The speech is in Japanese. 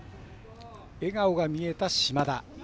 笑顔が見えた島田。